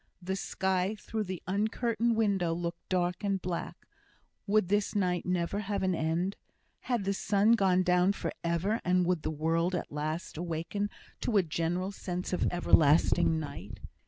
The sky through the uncurtained window looked dark and black would this night never have an end? Had the sun gone down for ever, and would the world at last awaken to a general sense of everlasting night?